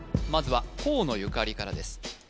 まずは河野ゆかりからです